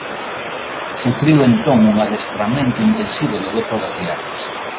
Sufriu entón un adestramento intensivo de dez horas diarias.